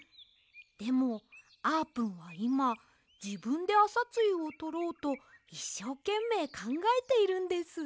でもあーぷんはいまじぶんであさつゆをとろうといっしょうけんめいかんがえているんです！